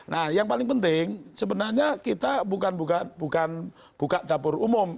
nah yang paling penting sebenarnya kita bukan buka dapur umum